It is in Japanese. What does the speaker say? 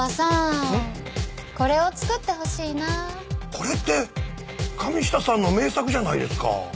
これって神下さんの名作じゃないですか。